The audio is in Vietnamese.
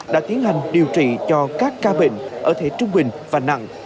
đã tiến hành điều trị cho các ca bệnh ở thể trung bình và nặng